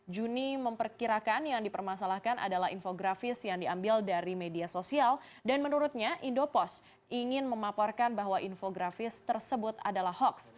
juni memperkirakan yang dipermasalahkan adalah infografis yang diambil dari media sosial dan menurutnya indopos ingin memaparkan bahwa infografis tersebut adalah hoax